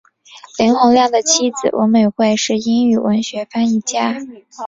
林洪亮的妻子文美惠是英语文学翻译家。